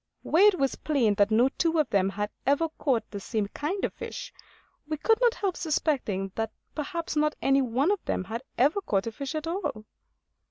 Where it was plain that no two of them had ever caught the same kind of fish, we could not help suspecting that perhaps not any one of them had ever caught a fish at all.